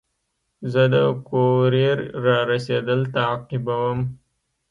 زه د کوریر رارسېدل تعقیبوم.